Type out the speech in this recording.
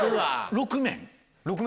６面？